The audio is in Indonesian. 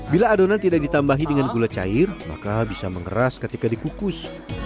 bila adonan tidak ditambahi dengan gula cair maka bisa mengeras ketika dikukus